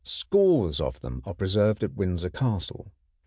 Scores of them are preserved at Windsor Castle.